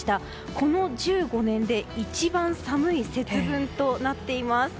この１５年で一番寒い節分となっています。